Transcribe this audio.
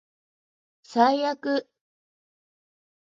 最悪